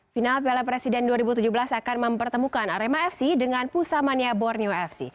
final piala presiden dua ribu tujuh belas akan mempertemukan arema fc dengan pusamania borneo fc